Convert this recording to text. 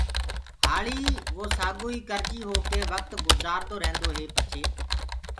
هآݪي ووسآگوئي ڪرجي هوڪي وڪت گجآردو ريهندو هي پڇي